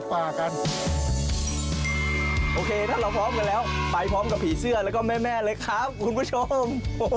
ไปพร้อมกับผีเสื้อแล้วก็แม่เลยครับคุณผู้ชม